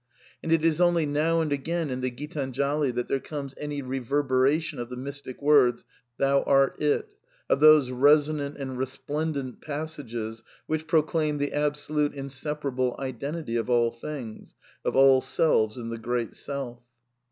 And it is only now and again in the Qita/nr jali that there comes any reverberation of the mystic words, " Tat tvam asi,^' " Thou art it,'' of those resonant and resplendent passages which proclaim the absolute, in separable identity of all things, of all selves in the Great Self.